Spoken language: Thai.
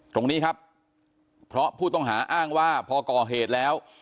ตรงนี้ครับเพราะผู้ต้องหาอ้างว่าพอก่อเหตุแล้ว